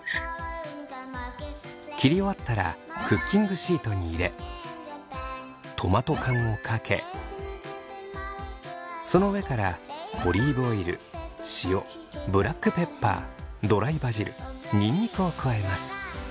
切り終わったらクッキングシートに入れトマト缶をかけその上からオリーブオイル塩ブラックペッパードライバジルニンニクを加えます。